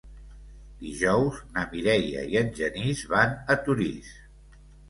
Dijous na Mireia i en Genís van a Torís.